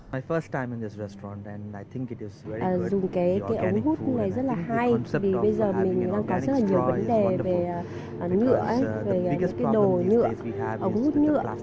dùng cái ống hút này rất là hay vì bây giờ mình đang có rất là nhiều vấn đề về nhựa rồi những cái đồ nhựa ống hút nhựa